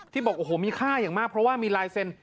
บอกโอ้โหมีค่าอย่างมากเพราะว่ามีลายเซ็น